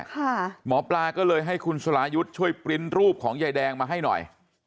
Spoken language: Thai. หมอปลาก็เลยให้คุณสรายุทธ์ช่วยปริ้นต์รูปของยายแดงมาให้หน่อย